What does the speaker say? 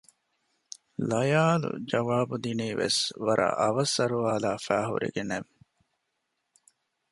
ލަޔާލު ޖަވާބުދިނީވެސް ވަރަށް އަވަސް އަރުވާލާފައި ހުރެގެނެން